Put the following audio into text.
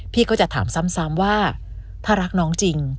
พี่ก็จะถามซ้ำว่าถ้ารักน้องจริง